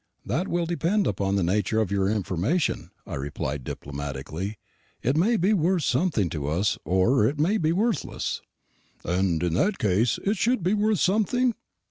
"That will depend upon the nature of your information," I replied diplomatically; "it may be worth something to us, or it may be worthless." "And in case it should be worth something?"